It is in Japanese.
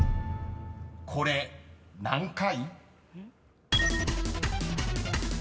［これ何回？］